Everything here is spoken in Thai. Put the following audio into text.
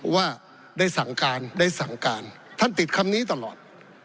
ว่าได้สั่งการได้สั่งการท่านติดคำนี้ตลอด